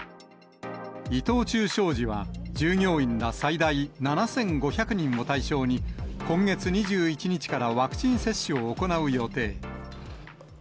伊藤忠商事は、従業員ら最大７５００人を対象に、今月２１日からワクチン接種を行う予定。